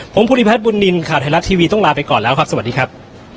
ผมภูริพัฒนบุญนินทร์ข่าวไทยรัฐทีวีต้องลาไปก่อนแล้วครับสวัสดีครับ